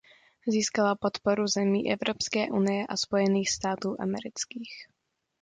Získala podporu zemí Evropské unie a Spojených států amerických.